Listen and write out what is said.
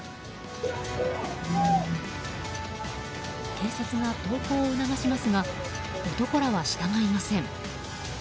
警察が投降を促しますが男らは従いません。